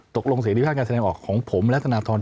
เสรีภาพการแสดงออกของผมและธนทร